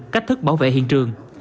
cách thức bảo vệ hiện trường